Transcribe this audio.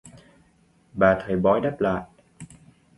bà thầy bói đáp lại